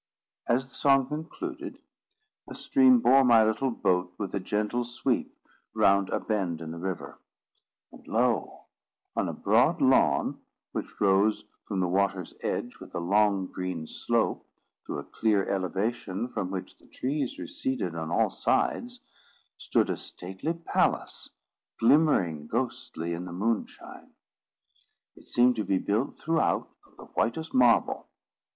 As the song concluded the stream bore my little boat with a gentle sweep round a bend of the river; and lo! on a broad lawn, which rose from the water's edge with a long green slope to a clear elevation from which the trees receded on all sides, stood a stately palace glimmering ghostly in the moonshine: it seemed to be built throughout of the whitest marble.